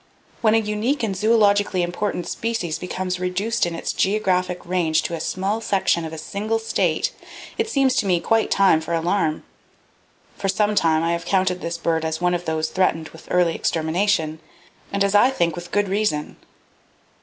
When a unique and zoologically important species becomes reduced in its geographic range to a small section of a single state, it seems to me quite time for alarm. For some time I have counted this bird as one of those threatened with early extermination, and as I think with good reason.